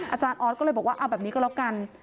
อาจารย์ออสก็เลยบอกว่าเอาแบบนี้ก็แล้วกัน